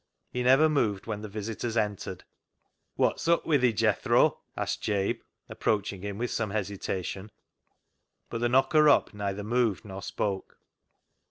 He never moved when the visitors entered. " Wot's up wi' thi, Jethro ?" asked Jabe, approaching him with some hesitation. But the knocker up neither moved nor spoke.